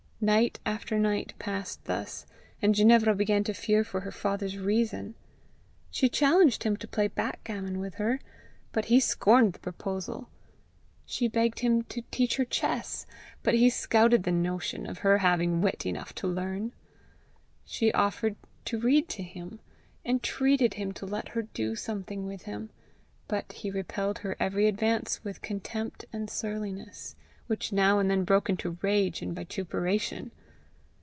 Night after night passed thus, and Ginevra began to fear for her father's reason. She challenged him to play backgammon with her, but he scorned the proposal. She begged him to teach her chess, but he scouted the notion of her having wit enough to learn. She offered to read to him, entreated him to let her do something with him, but he repelled her every advance with contempt and surliness, which now and then broke into rage and vituperation.